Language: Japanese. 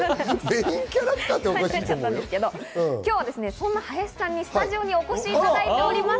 今日はそんな林さんにスタジオにお越しいただいております。